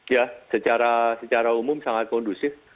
ya secara umum sangat kondusif